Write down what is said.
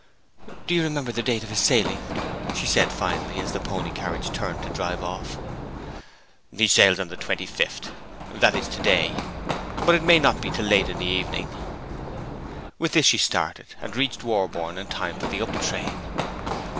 'Do you remember the date of his sailing?' she said finally, as the pony carriage turned to drive off. 'He sails on the 25th, that is, to day. But it may not be till late in the evening.' With this she started, and reached Warborne in time for the up train.